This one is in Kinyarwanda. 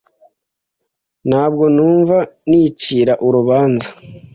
Ntabwo numva nicira urubanza .